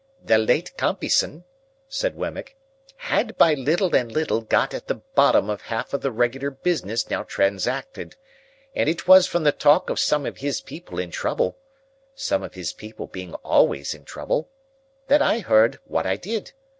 "The late Compeyson," said Wemmick, "had by little and little got at the bottom of half of the regular business now transacted; and it was from the talk of some of his people in trouble (some of his people being always in trouble) that I heard what I did.